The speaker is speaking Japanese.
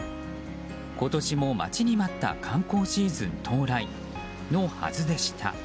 今年も待ちに待った観光シーズン到来のはずでした。